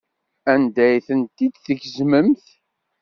Anda ay tent-id-tgezmemt?